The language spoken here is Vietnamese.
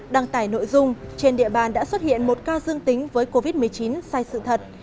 đăng tải nội dung trên địa bàn đã xuất hiện một ca dương tính với covid một mươi chín sai sự thật